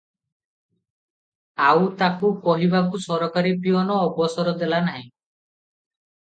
ଆଉ ତାକୁ କହିବାକୁ ସରକାରୀ ପିଅନ ଅବସର ଦେଲା ନାହିଁ ।